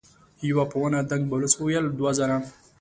يوه په ونه دنګ بلوڅ وويل: دوه زره.